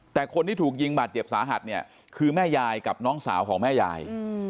แต่คนที่ถูกยิงบาดเจ็บสาหัสเนี่ยคือแม่ยายกับน้องสาวของแม่ยาย